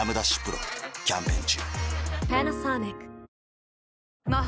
丕劭蓮キャンペーン中